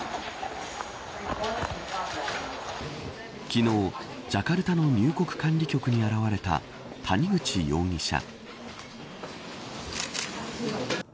昨日、ジャカルタの入国管理局に現れた谷口容疑者。